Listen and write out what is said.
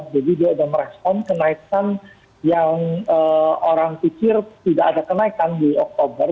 jadi dia sudah merespon kenaikan yang orang pikir tidak ada kenaikan di oktober